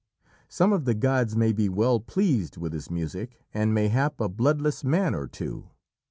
Some of the gods may be well pleased with his music, and mayhap a bloodless man or two.